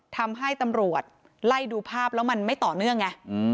ทำให้ตำรวจไล่ดูภาพแล้วมันไม่ต่อเนื่องไง